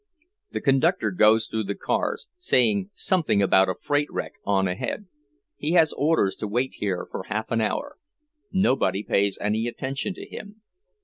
The conductor goes through the cars, saying something about a freight wreck on ahead; he has orders to wait here for half an hour. Nobody pays any attention to him.